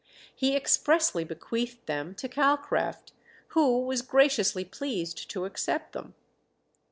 He expressly bequeathed them to Calcraft, who was graciously pleased to accept them.